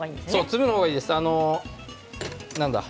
粒の方がいいです。